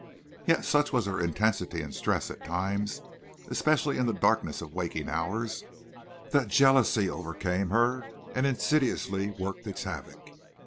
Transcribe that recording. Yet such was her intensity and stress at times, especially in the darkness of waking hours, that jealousy overcame her and insidiously worked its havoc.